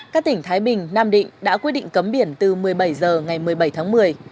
các tỉnh thái bình nam định đã quyết định cấm biển từ một mươi bảy h ngày một mươi bảy tháng một mươi